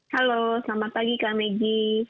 halo selamat pagi kak megi